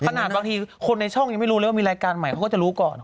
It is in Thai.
บางทีคนในช่องยังไม่รู้เลยว่ามีรายการใหม่เขาก็จะรู้ก่อน